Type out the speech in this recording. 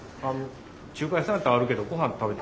中華屋さんやったらあるけどごはん食べて。